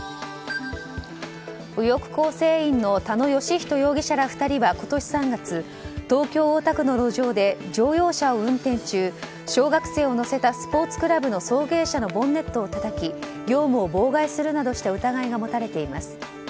右翼構成員の田野義人容疑者ら２人は今年３月、東京・大田区の路上で乗用車を運転中小学生を乗せたスポーツクラブの送迎車のボンネットをたたき業務を妨害するなどした疑いが持たれています。